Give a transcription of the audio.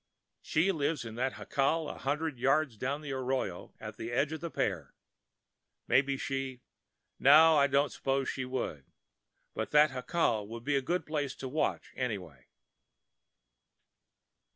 She lives in that jacal a hundred yards down the arroyo at the edge of the pear. Maybe she—no, I don't suppose she would, but that jacal would be a good place to watch, anyway."